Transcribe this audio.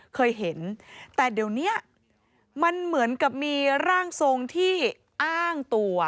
เคยเห็นแต่เดี๋ยวนี้มันเหมือนกับมีร่างทรงที่อ้างตัว